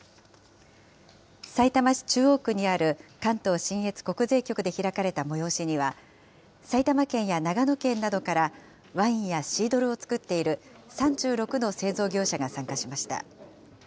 さいたま市中央区にある関東信越国税局で開かれた催しには、埼玉県や長野県などから、ワインやシードルをつくっている３６の製造業者が参加しました。